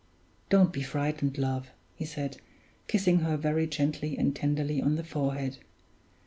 "Don't be frightened, love," he said, kissing her very gently and tenderly on the forehead.